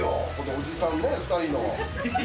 おじさん２人の。